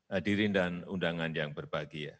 hadirin dan undangan yang berbahagia